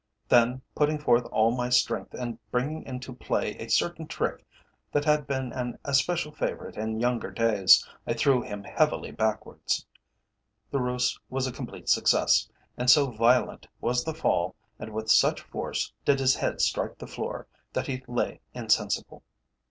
Then putting forth all my strength, and bringing into play a certain trick that had been an especial favourite in younger days, I threw him heavily backwards. The ruse was a complete success, and so violent was the fall, and with such force did his head strike the floor, that he lay insensible.